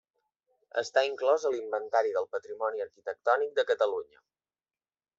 Està inclòs a l’Inventari del Patrimoni Arquitectònic de Catalunya.